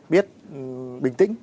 biết bình tĩnh